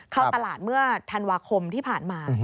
เข้าตลาดเมื่อธันวาคมที่ผ่านมา